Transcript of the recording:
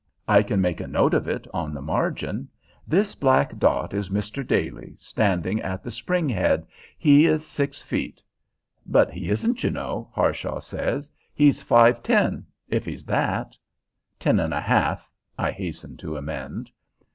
I can make a note of it on the margin: 'This black dot is Mr. Daly, standing at the spring head. He is six feet'" "But he isn't, you know," Harshaw says. "He's five feet ten if he's that." "Ten and a half," I hasten to amend.